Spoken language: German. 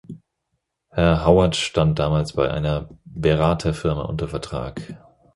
Herr Howard stand damals bei einer Beraterfirma unter Vertrag.